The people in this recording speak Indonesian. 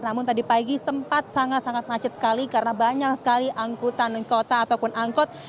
namun tadi pagi sempat sangat sangat macet sekali karena banyak sekali angkutan kota ataupun angkot